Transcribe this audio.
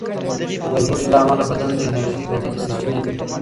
د لوږې له امله بدن د انرژۍ بدیلې سرچینې تولیدوي.